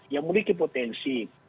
yang memiliki potensi